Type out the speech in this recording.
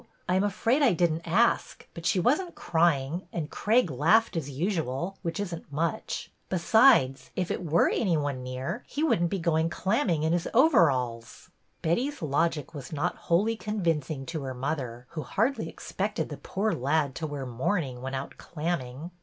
I am afraid I did n't ask, but she was n't crying and Craig laughed as usual, which is n't much. Besides, if it were any one near he would n't be going clamming in his overalls." Betty's logic was not wholly convincing to her mother, who hardly expected the poor lad to wear mourning when out clamming.